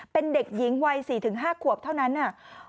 เป็นเด็กหญิงวัยสี่ถึงห้าขวบเท่านั้นนะ